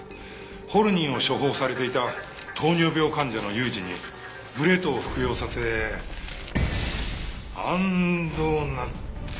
ホルニンを処方されていた糖尿病患者の裕二にブレトを服用させアンドーナツ。